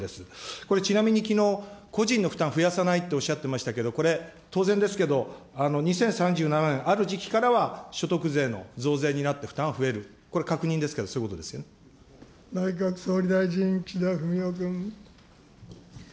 これちなみにきのう、個人の負担増やさないっておっしゃってましたけれども、これ、当然ですけど２０３７年、ある時期からは、所得税の増税になって、負担は増える、これ確認ですけど、内閣総理大臣、岸田文雄君。